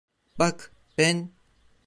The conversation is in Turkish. Bak, ben...